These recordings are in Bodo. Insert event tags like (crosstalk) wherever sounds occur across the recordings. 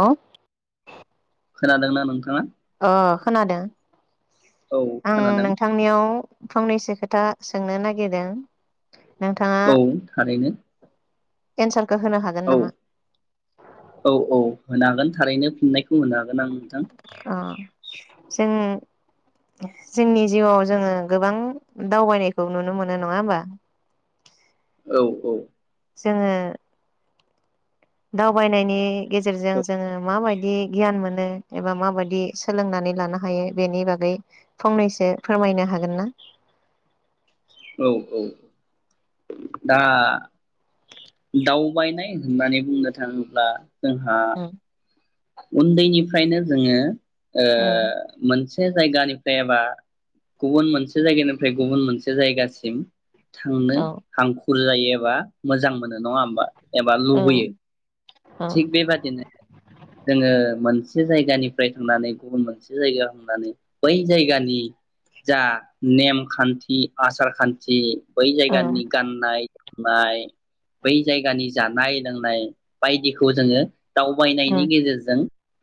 औ। खोनादोंना नोंथाङा? ओ खोनादों। औ आं खोनादों नोंथांनियाव फंनैसो खो था सोंनो नागिरदों। नोंथाङा औ थारैनो। (unintelligible) औ नामा औ औ होनो हागोन थारैनो फिननायखौ (unintelligible) हागोन आं नोंथां। अ जों जोंनि जिउआव जोङो गोबां दावबायनायखौ नुनो मोनो नङा होमबा? औ औ। जोङो दावबायनायनि गेजेरजों जोङो माबायदि गियान मोनो एबा माबायदि सोलोंनानै लानो हायो बेनि बागै फंनैसो फोरमायनो हागोन ना? औ औ दा दावबायनाय होननानै बुंनो थाङोब्ला जोंहा उम उन्दैनिफ्रायनो जोङो ओ उम मोनसे (unintelligible) जायगानिफ्राय एबा गुबुन मोनसे जायगानिफ्राय गुबुन मोनसे जायगासिम थांनो औ हां खुर जायो एबा मोजां मोनो। नङा होमबा एबा औ लुबैयो औ थिग बेबादिनो जोङो मोनसे जायगानिफ्राय थांनानै गुबुन मोनसे जायगायाव थांनानै बै जायगानि जा नेमखान्थि, आसार खान्थि बै औ जायगानि गाननाय जोमनाय बै जायगानि जानाय लोंनाय बायदिखौ जोङो दावबाय नि उम गेजेरजों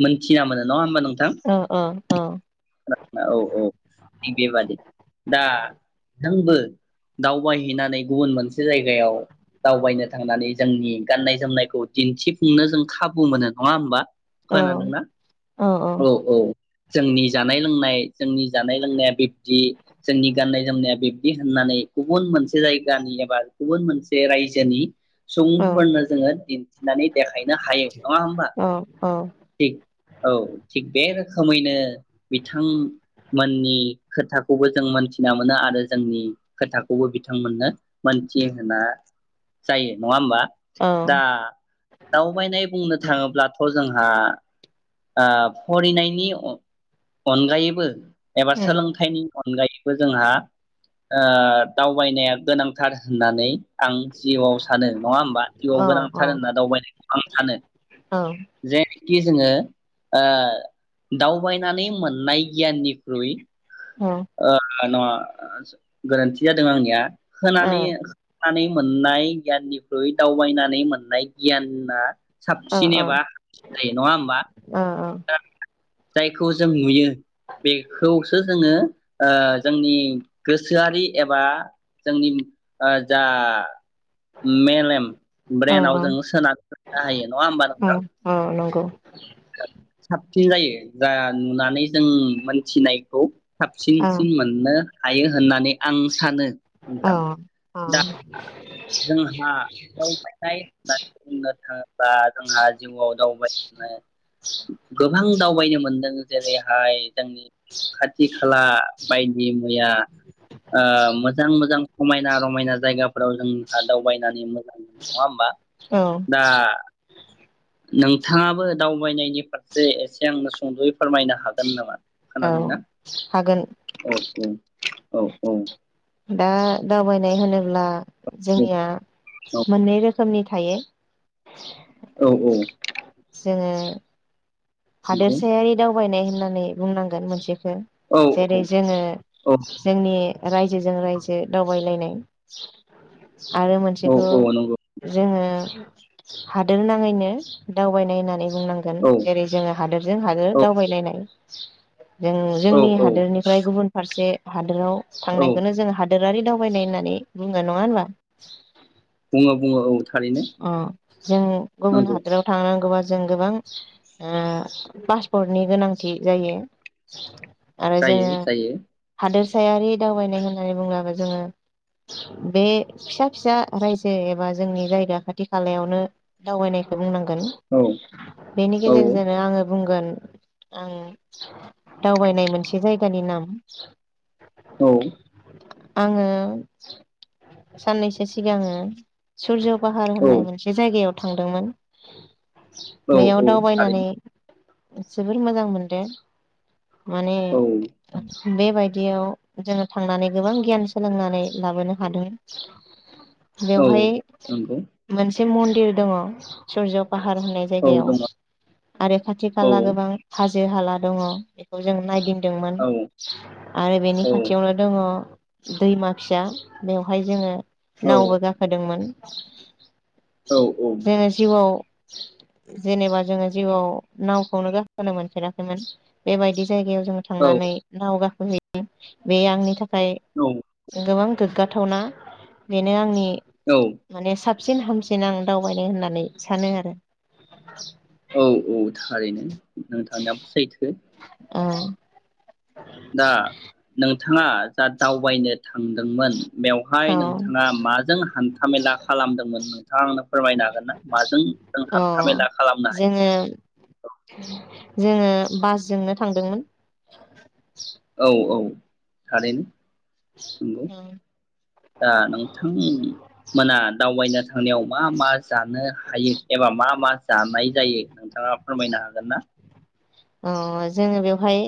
मोनथिना मोनो नङा होनबा नों थां औ औ औ औ औ थिग बेबादि दा नोंबो दावबायहैनानै गुबुन मोनसे जायगायाव दावबायनो थांनानै जोंनि गाननाय जोमनायखौ दिन्थिफुंनो जों खाबु मोनो। नंआ होम्बा औ खोनादोंना औ औ जोंनि जानाय लोंनाय जोंनि जानाय लोंनाया बिब्दि जोंनि गाननाय जोमनाया बिब बिदि होननानै गुबुन मोनसे जायगानि एबा गुबुन मोनसे रायजोनि सुबुंफोरनो जोङो दिन्थिनानै देखायनो हायो नङा होम्बा औ औ थिक औ थिक बे बे रोखोमैनो बिथांमोननि खोथाखौबो जों मोनथिना मोनो आरो जोंनि खोथाखौबो बिथांमोननो मोनथि होना जायो नङा होमबा दा दावबायनाय बुंनो थाङो थ' जोंहा फरिनायनि अनगायैबो एबा सोलोंथाइनि अनगायैबो जोंहा ओ दावबायनाया गोनांथार होननानै आं जिउआव सानो नङा होमबा जिउआव गोनांथार होनना दावबायनायखौ आं सानो जेनिखि जोङो ओ दावबायनानै मोननाय गियाननिख्रुइ औ ओ नङा गोरोन्थि जादों आंनिया होनानै होनानै मोननाय गियाननिख्रुइ दावबायनानै मोननाय गियाना साबसिन एबा हामसिन जायो नङा होमबा दा जायखौ जों नुयो बेखौ सो जोङो ओ जोंनि गोसोआरि एबा जोंनि ओ जा मेलेम ब्रेनाव जोंङो सोना दोननो हायो नङा होमबा नोंथां साबसिन जायो जा ओम नुनानै जों मोनथिनायखौ ओं साबसिनसिन मोननो हायो होननानै आं सानो ओं नोंथां दा जोंहा दावबायना होननानै बुंनो थांबा जोंहा जिउआव दावबायनो गोबां दावबायनो मोन नों जेरेहाय जोंनि खाथि खाला बायदिमैया ओ मोजां मोजां समायना रमायना जायगाफोराव जोंहा दावबायनानै मोजां मोनो नङा होमबा औ दा नोंथाङाबो दावबायनायनि फारसे एसे आंनो सुंदयै फोरमायनो हागोन नामा औ खोनादोंना हागोन औ औ औ औ दा दावबायनाय होनोब्ला जोंनिया मोननै रोखोमनि थायो औ औ जोङो नंगौ हादोरसायारि दाव बायनाय होननानै बुंनांगोन मोनसे औ जेरै जोङो औ जोंनि रायजोजों रायजो दावबायलायनाय आरो औ मोनसेखौ औ नंगौ जोङो हादोर नाङैनो दावबायनाय होननानै बुंनांगोन औ जेरै जोङो हादोरजों हादोर औ दावबायलायनाय (unintelligible) जों औ जोंनि औ हादोरनिफ्राय गुबुन फारसे हादोराव औ थांनायखौनो जों हा दोरारि दावबायनाय होननानै बुङो नङा होनबा बुङो बुङो औ थारैनो अ जों गुबुन नंगौ हादोराव थांनांगौबा जों गोबां पासपर्टनि गोनांथि जायो आरो जायो जोङो जायो हादोर फिसायारि दावबायनाय होननानै बुब्लाबो जोङो बे फिसा फिसा रायजो एबा जोंनि जायगा खाथि खालायावनो दावबायनायखौ बुंनां गोन औ बेनि औ गेजेरजोंनो आङो बुंगोन आं दावबायनाय मोनसे जायगानि नाम औ आङो साननैसो सिगाङो सुरज' पाहार औ होननाय मोनसे जायगायाव थांदोंमोन औ बेयाव औ दावबायनानै थारैनो जोबोर मोजां मोनदों । माने औ बेबायदि दियाव जोङो थांनानै गोबां गियान सोलोंनानै लाबोनो हादों । औ नंगौ मोनसे मन्दिर दङ सुरज' फाहार होननाय औ जायगायाव दङ आरो खाथि औ खाला गोबां हा हाला दङ बेखौ जों नायदिं दोंमोन औ आरो बेनि औ खाथियावनो दङ दैमा फिसा बेवहाय जोङो नावबो गाखोदोंमोन (inaudible) औ जोङो जिउआव जेनेबा जोङो जिउआव नावखौनो गाखोनो मोनफेराखैमोन बेबायदि । जायायाव जों औ थांनानै नाव गाखोयो बे आंनि थाखा खाय गोबां गोग्गाथावना बेनो आंनि औ माने सा सिन हामसिन आं दावबायनो होननानै सानो आरो । औ औ थारैनो नों थांनायाबो सैथो औ दा नों थाङा दा दावबायनो थांदोंमोन बेवहाय औ नोंथाङा माजों हान्थामेला खालामदोंमोन नोंथाङा आंनो फोरमायनो हागोन ना माजों जों अ हान्थामेला खालामनो जोङो हायो जोङो बासजोंनो थांदोंमोन । औ औ थारैनो नंगौ दा नोंथां मोना दावबायनो थांनायाव मा मा जानो हायो एबा मा मा जानाय जायो नोंथाङा फोरमायनो हागोन ना? अ जोङो बेवहाय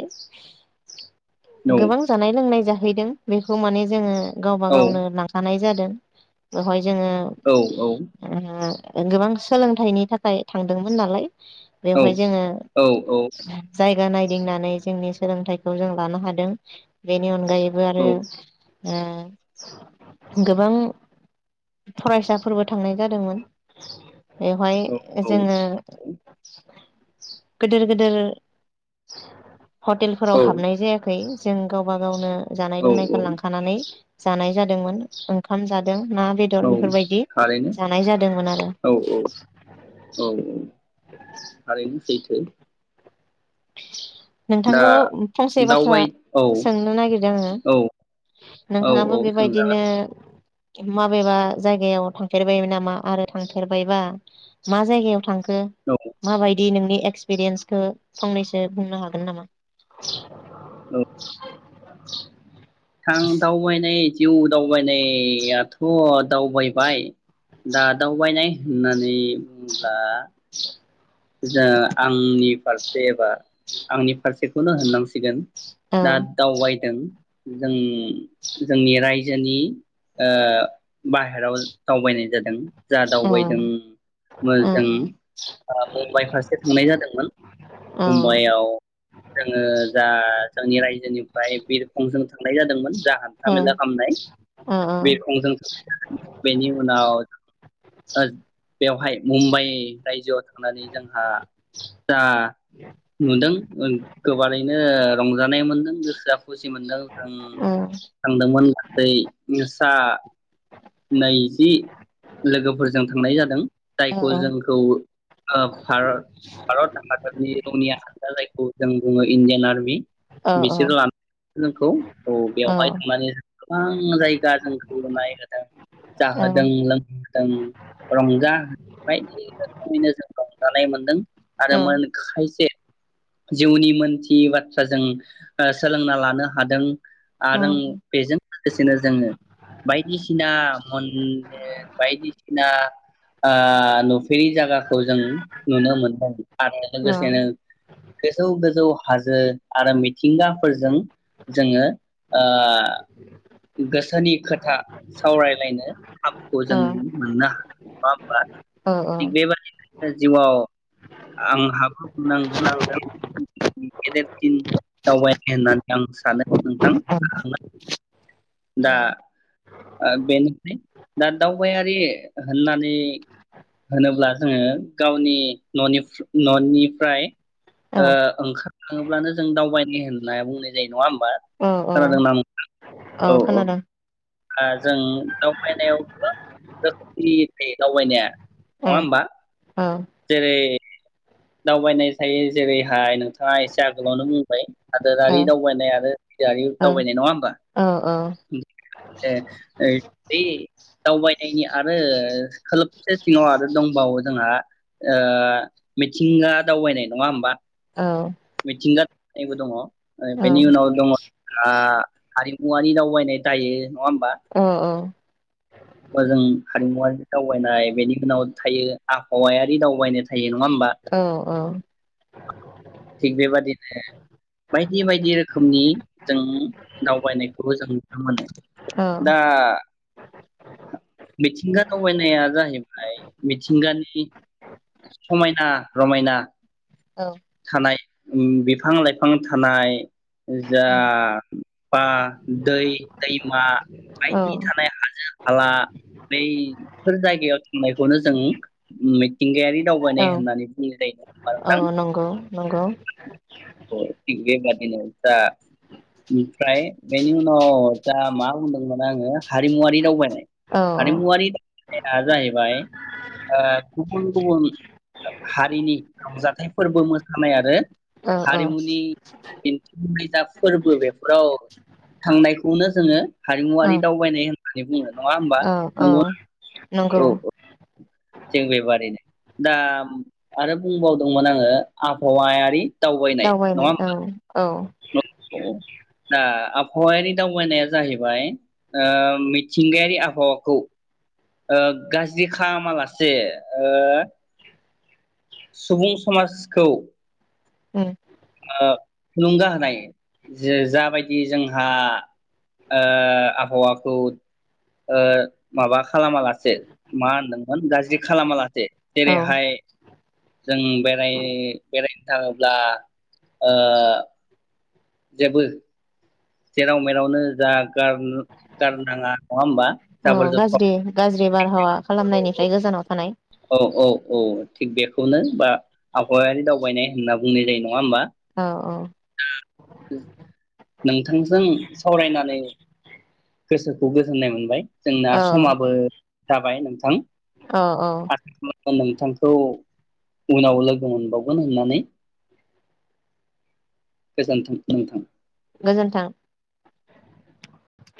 औ गोबां जानाय लोंनाय जा हैदों बेखौ माने जोङो गावबा औ गावनो लांखानाय जादों बेहाय जोङो औ गोबां सोलोंथाइनि थाखाय थांदोंमोन नालाय औ बेवहाय जोङो औ औ जायगा नायदिंनानै जोंनि सोलोंथाइखौ जों लानो हाद दों बेनि अन जायबो औ आरो ओ गोबां फरायसाफोरबो थांनाय जादोंमोन बेवहाय जोङो गोदोर गोदोर औ हटेलफोराव हाबनाय जाया (unintelligible) जों गावबा गावनो जानाय औ औ लोंनायफोर लांखानानै जानाय जादोंमोन ओंखाम जादों ना औ बेदर बेफोरबायदि थारैनो जानाय जादोंमोन आरो। औ औ औ थारैनो सैथो दा नोंथांखौ फंसे बाथ्रा दावबाय औ सोंनो नागिरदों आङो औ औ औ नोंथाङाबो सोंजागोन बेबायदिनो माबेबा जायगायाव थांफेरबायमोन नामा आरो थांफेरबायबा मा जायगायाव थांख औ (unintelligible) माबायदि नोंनि एक्सपिरियेन्सखौ फंनैसो बुंनो हाग (unintelligible) नामा? (inaudible) (inaudible) औ थां दावबायनाय दिउ दाव दावबायनायाथ दावबायबाय दा दावबायनाय होननानै बुंब्ला जा आंनि फारसे एबा आंनि फारसेखौनो होननांसिगोन औ दा दावबायदों जों जोंनि रायजोनि ओ बाहेराव दावबायनाय जादों। जा औ दावबायदों ओ मोजों ओ मुम्बाइ फारसे थांनाय जादोंमोन औ मुम्बाइआव जोङो जा (unintelligible) राय जोनिफ्राय बिरखंजों थांनाय जादोंमोन। जा हान्था औ ओ मेला खालामनाय ओ बिरखंजों बेनि उनाव ओ बेवहाय मुम्बाइ रायजोआव थांनानै जोंहा जा नुदों ओं गोबारैनो रंजानाय मोनदों गोसोआ खुसि मोनदों जों ओ थांदोंमोन गासै सा नैजि लोगोफोरजों थांनाय जादों ओ जायखौ जोंखौ ओ भा-भारत हादोरनि रौनिया हान्जा जायगा खौ जों बुंङो इण्डियान आरमि औ बिसोर लानानै जोंखौ औ बेवहाय थांनानै गोबां जायगा जों खुलुमनाय जादों। औ जाहोदों लोंहोदों रंजा बायदि रोखोमैनो जों रंजानाय मोन्दों आरो मोन खाय से जिउनि मोनथियि बाथ्रा जों सोलोंना लानो हादों आरो बेजों लोगोसेनो जोङो बायदिसिना मन्दिर बायदिसिना ओ नु फेरि जायगाखौ जों नुनो मोनदों आरो लोगोसेनो गोजौ हाजो आरो मिथिंगाफोरजों जोङो ओ गोसोनि खोथा सावरायलायनो खाबुखौ जों मोननो हादों मा होनबा औ औ । जिउआव आं हाबो नांगोन गेदेर दिन दावबायनो होननानै आं सानो नोथां। दा ओ बेनिफ्राय दा दावबायारि होननानै होनोब्ला जोङो गावनि ननि ननिफ्राय ओ ओंखारलाङोब्लानो जों दावबाय नि होनना बुंनाय जायो। नङा होमबा? ओ औ (unintelligible) औ औ ओ जों दावबायनायावबो (unintelligible) बे दावबायनाया नङा ओ होनबा? ओ जैरै दावबायनाय थायो जेरैहाय नों थाङा एसे आगोलावनो बुंबाय ओ हादोरारि दावबायनाय आरो हाजोआरि औ दावबायनाय नङा होमबा? औ औ ओ ओ यै दावबायनायनि आरो खोलोबसे सिङाव आरो दंबावो जोंहा ओ मिथिंगा दावबायनाय नङा होमबा? मिथिंगा एबो दङ। ओ बेनि उनाव दङ' हा-हारि औवानि दावबायनाय दायो अह अह। ओजों हारिमुवारि दावबायनाय बेनि उनाव थायो आबहावायारि दावबायनाय था थायो नङा ओमबा थिग बेबादिनो बायदि बायदि रोखोमनि जों दावबायनायखौबो जों नुनो मोनो दा मिथिंगा दावबायनाया जाहैबाय मिथिंगानि समायना रमायना। औ। उम बिफां लाइफां थानाय। जा औ बा दै दैमा औ बायदि थानाय हाजो। खाला बैफोर जायगायाव थांनायखौनो जों मिथिंगायारि औ दावबायनाय होननानै बुंनाय (unintelligible) औ नोंथां नंगौ नंगौ अ थिग बेबादि। (unintelligible) ओमफ्राय बेनि उनाव दा मा बुंदोंमोन आङो हारिमुआरि दावबायनाय। औ हारिमुआरि (unintelligible) जाहैबाय ओ गुबुन गुबुन हारिनि रंजाथाइ फोर्बो मोसानाय आरो औ औ हारिमुनि दिन्थिफुंनाय जा फोर्बो बेफोराव थांनायखौनो जोङो औ हारिमुआरि दावबायनाय होन जे बुङो नङा होमबा? औ औ नंगौ नंगौ थिग बेबादैनो दा आरो बुंबावदोंमोन आङो आबहावायारि दावबायनाय नङा होमबा औ (unintelligible) दा आब हवायारि दावबायनाया जाहैबाय ओ मिथिंगायारि आबहावाखौ ओ गाज्रि खामालासे ओ सुबुं समाजखौ (unintelligible) ओ थुलुंगा होनाय जे जाबादि जोंहा ओ आफ हवा (unintelligible) ओ माबा खालामा लासे मा होनदोंमोन गाज्रि खालामा लासे औ जेरैहाय जों बेराय बेराय थाङोब्ला ओ जेबो जेराव मेरावनो जा गारनो गारनाङा नङा होमबा अ जाबोर जथर गाज्रि गाज्रि बारहावा खालामनायनिफ्राय गोजानाव थानाय। औ औ औ थिग बेखौनो बा आबहावायारि दावबायनाय होनना बुंनाय जायो नङा होमबा? औ औ (unintelligible) नोंथांजों सावरायनानै गोसो खौ गोजोन्नाय मोनबाय। जोंना औ समाबो जाबाय नोंथां। औ औ (unintelligible) ओ नोंथांखौ उनाव लोगो मोनबावगोन होननानै गोजोनथों नोंथां। गोजोन्थों।